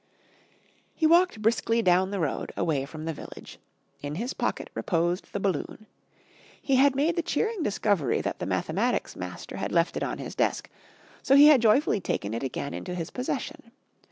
He walked briskly down the road away from the village. In his pocket reposed the balloon. He had made the cheering discovery that the mathematics master had left it on his desk, so he had joyfully taken it again into his possession.